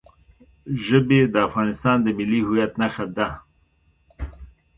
ژبې د افغانستان د ملي هویت نښه ده.